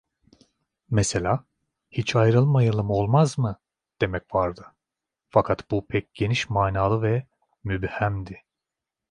Mesela: "Hiç ayrılmayalım, olmaz mı?" demek vardı, fakat bu pek geniş manalı ve müphemdi.